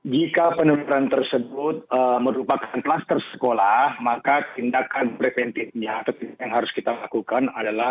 jika penurunan tersebut merupakan kluster sekolah maka tindakan preventifnya yang harus kita lakukan adalah